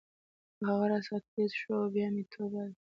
خو هغه راڅخه ټیز شو او بیا مې توبه ده.